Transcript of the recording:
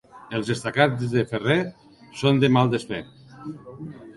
Els estacats de ferrer són de mal desfer.